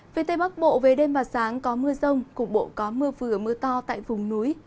về tây bắc bộ về đêm và sáng có mưa rông cục bộ có mưa vừa mưa to tại vùng núi